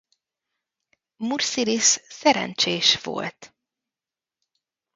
Murszilisz szerencsés volt.